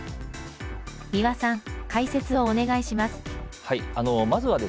三輪さん、解説をお願いします。